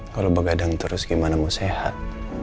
kalau begadang terus gimana mau sehat